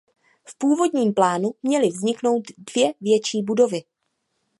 V původním plánu měly vzniknout dvě větší budovy.